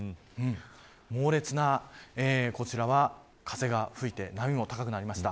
猛烈なこちらは風が吹いて波も高くなりました。